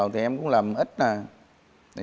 thì em cũng làm ít nè